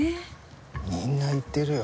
みんな言ってるよ。